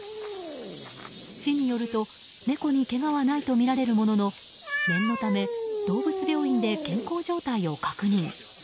市によると猫にけがはないとみられるものの念のため動物病院で健康状態を確認。